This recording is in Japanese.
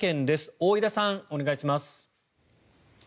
大井田さん、お願いします。